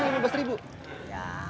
ya kompos anternya